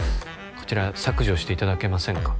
こちら削除していただけませんか？